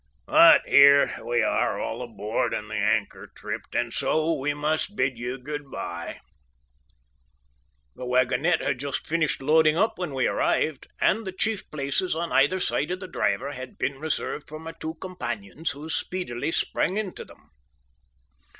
But here we are all aboard and the anchor tripped, so we must bid you good bye." The wagonette had just finished loading up when we arrived, and the chief places, on either side of the driver, had been reserved for my two companions, who speedily sprang into them.